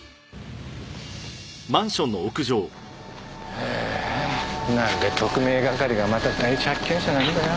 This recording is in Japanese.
ああなんで特命係がまた第一発見者なんだよ。